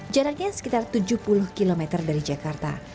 jaraknya sekitar tujuh puluh km dari jakarta